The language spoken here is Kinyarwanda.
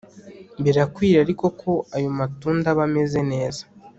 Birakwiriye ariko ko ayo matunda aba ameze neza